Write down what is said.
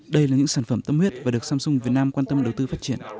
đây là những sản phẩm tâm huyết và được samsung việt nam quan tâm đầu tư phát triển